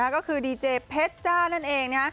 ก็คือดีเจเพชรจ้านั่นเอง